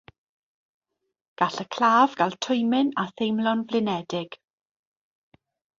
Gall y claf gael twymyn a theimlo'n flinedig.